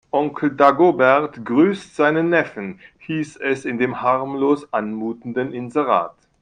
Onkel Dagobert grüßt seinen Neffen, hieß es in dem harmlos anmutenden Inserat.